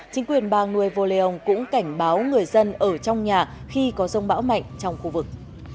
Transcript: chính quyền bang nuevo león cũng cảnh báo người dân ở trong nhà khi có giông bão mạnh trong khu vực